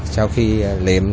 sau khi liệm